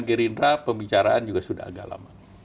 gerindra pembicaraan juga sudah agak lama